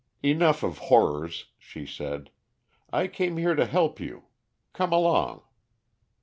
"Enough of horrors," she said. "I came here to help you. Come along."